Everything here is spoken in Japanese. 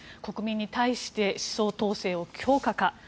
国民に対して思想統制を強化か。